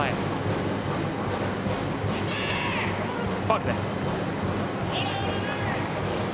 ファウルです。